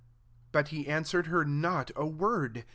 23 But he answered her not a word.